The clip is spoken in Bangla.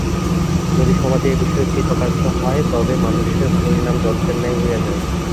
যদি সমাজে এ বিষয়ে কৃতকার্য হয়, তবে মনুষ্যের পরিণাম যন্ত্রের ন্যায় হইয়া যায়।